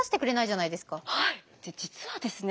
実はですね